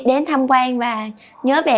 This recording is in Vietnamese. đến thăm quan và nhớ về